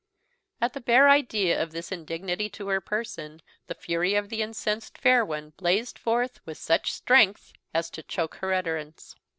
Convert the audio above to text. At the bare idea of this indignity to her person the fury of the incensed fair one blazed forth with such strength as to choke her utterance.